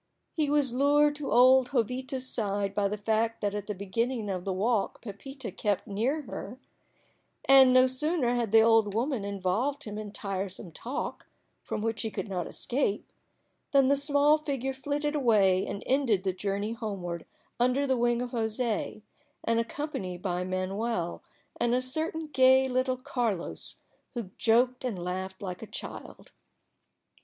He was lured to old Jovita's side by the fact that at the beginning of the walk Pepita kept near her, and no sooner had the old woman involved him in tiresome talk, from which he could not escape, than the small figure flitted away and ended the journey homeward under the wing of José, and accompanied by Manuel and a certain gay little Carlos, who joked and laughed like a child.